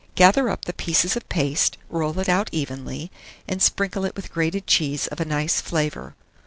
Gather up the pieces of paste, roll it out evenly, and sprinkle it with grated cheese of a nice flavour.